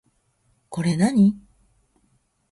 これ何